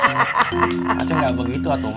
maksudnya gak begitu